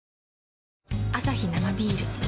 アサヒ生ビール